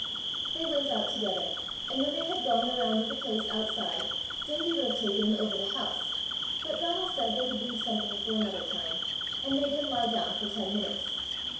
They went out together, and when they had gone the round of the place outside, Davie would have taken him over the house; but Donal said they would leave something for another time, and made him lie down for ten minutes.